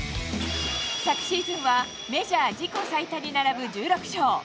昨シーズンは、メジャー自己最多に並ぶ１６勝。